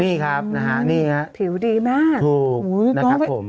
นี่ครับนี่ครับถือดีมากถูกนะครับผมอุ๊ย